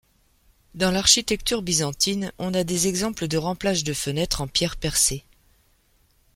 Dans l'architecture byzantine, on a des exemples de remplages de fenêtres en pierre percée.